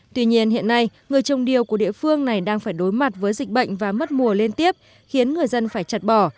tuy nhiên hiện nay người trồng điều của địa phương này đang phải đối mặt với dịch bệnh và mất mùa liên tiếp khiến người dân phải chặt bỏ